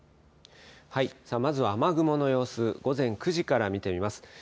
まずは雨雲の様子、午前９時から見てみます。